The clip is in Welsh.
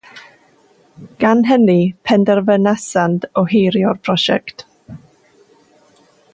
Gan hynny, penderfynasant ohirio'r prosiect.